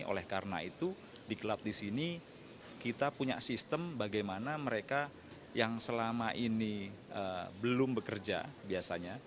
oleh karena itu di klub di sini kita punya sistem bagaimana mereka yang selama ini belum bekerja biasanya